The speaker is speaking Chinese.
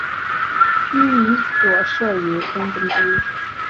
区役所设于东本町。